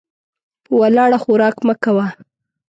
په ولاړه خوراک مه کوه .